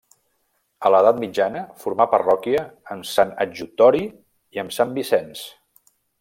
A l'edat mitjana formà parròquia amb Sant Adjutori i amb Sant Vicenç.